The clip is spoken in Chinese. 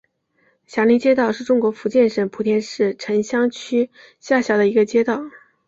霞林街道是中国福建省莆田市城厢区下辖的一个街道。